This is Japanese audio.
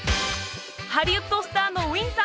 ハリウッドスターのウィンさん